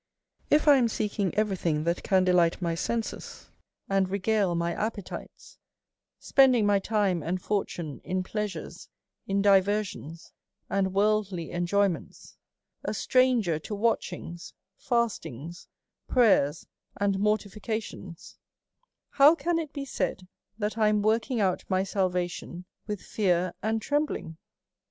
If I am seeking every thing that can delight my senses, and regale my appetites ; spending my time and fortune in pleasures, in diversions, and worldly en joyments; a strang cr to watch ings, fastings, prayers,, and mortifications, how can it be said that 1 am work ing out my salvation with fear and trembling